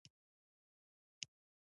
ځکه چې ملا دی له ملا څخه څه مه غواړه.